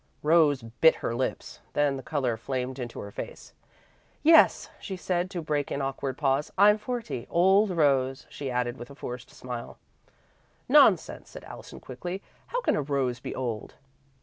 Rose bit her lips, then the colour flamed into her face. "Yes," she said, to break an awkward pause, "I'm forty. Old Rose," she added, with a forced smile. "Nonsense," said Allison quickly. "How can a rose be old?"